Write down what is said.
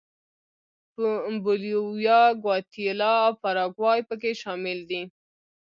بولیویا، ګواتیلا او پاراګوای په کې شامل دي.